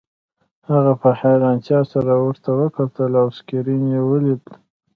هغه په حیرانتیا سره ورته وکتل او سکرین یې ولید